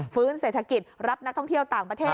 ฟื้นเศรษฐกิจรับนักท่องเที่ยวต่างประเทศ